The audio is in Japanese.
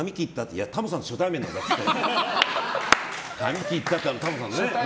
いや、タモさんと初対面だからって言って。